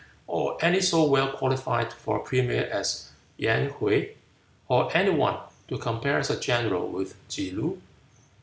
or any so well qualified for a premier as Yen Hwuy? or any one to compare as a general with Tsze loo?